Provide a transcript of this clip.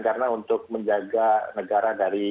karena untuk menjaga negara dari